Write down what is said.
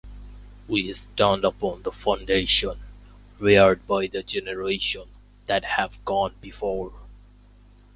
We stand upon the foundation reared by the generations that have gone before.